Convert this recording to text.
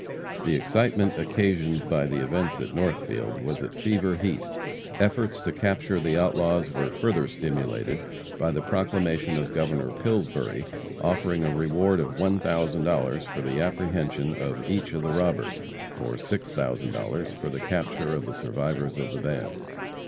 The excitement occasioned by the events at Northfield was at fever heat. Efforts to capture the outlaws were further stimulated by the proclamation of Governor Pillsbury offering a reward of $1,000 for the apprehension of each of the robbers, or $6,000 for the capture of the survivors of the band.